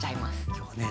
今日はね